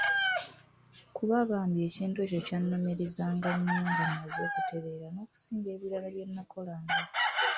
Kuba bambi ekintu ekyo kyannumirizanga nnyo nga mmaze okutereera n'okusinga ebirala byennakolanga.